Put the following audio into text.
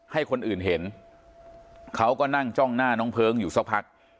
ให้คนอื่นเห็นเขาก็นั่งจ้องหน้าน้องเพลิงอยู่สักพัก